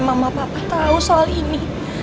sampai mama papa tau soal ini